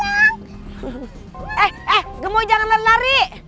eh eh gemoy jangan lari lari